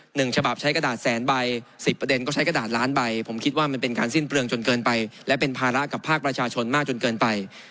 หนึ่งฉบับใช้กระดาษแสนใบสิบประเด็นก็ใช้กระดาษล้านใบผมคิดว่ามันเป็นการสิ้นเปลืองจนเกินไปและเป็นภาระกับภาคประชาชนมากจนเกินไป